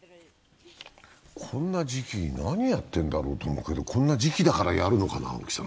こんな時期に何やってんだろうと思ったけど、こんな時期だからやるのかな。